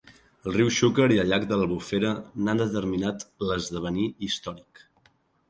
El riu Xúquer i el llac de l'Albufera n'han determinat l'esdevenir històric.